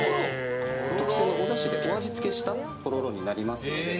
特製のおだしでお味付けしたとろろになりますので。